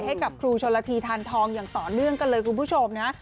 ให้กับครูชนละทีทานทองอย่างต่อเนื่องกันเลยคุณผู้ชมนะ